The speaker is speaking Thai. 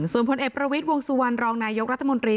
ส่วนผลเอกประวิทย์วงสุวรรณรองนายกรัฐมนตรี